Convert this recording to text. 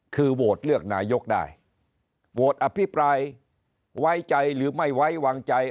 คือโหวตเลือกนายกได้โหวตอภิปรายไว้ใจหรือไม่ไว้วางใจ